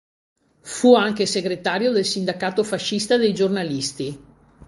Fu anche segretario del Sindacato fascista dei giornalisti.